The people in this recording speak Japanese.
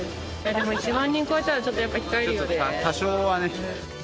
でも１万人超えたらちょっとやっぱり控えるよね。